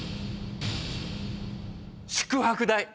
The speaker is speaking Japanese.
宿泊代。